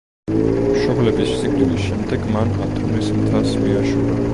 მშობლების სიკვდილის შემდეგ მან ათონის მთას მიაშურა.